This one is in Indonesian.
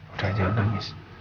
udah jangan nangis